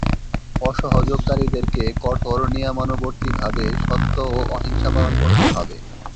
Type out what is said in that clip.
অসহযোগকারীদেরকে কঠোর নিয়মানুবর্তীভাবে সত্য ও অহিংসা পালন করতে হবে।